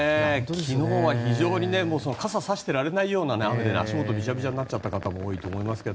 昨日は非常に傘を差していられないような雨で足元がびちゃびちゃになっちゃった方も多いと思いますが。